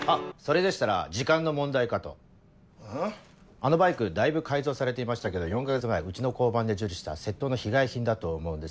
あのバイクだいぶ改造されていましたけど４か月前うちの交番で受理した窃盗の被害品だと思うんです。